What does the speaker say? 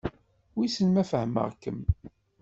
Wissen ma fehmeɣ-kem?